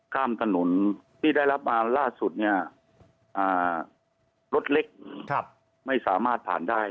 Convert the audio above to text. ทางตนุนที่ได้รับมาล่าสุดรถเล็กไม่สามารถผ่านได้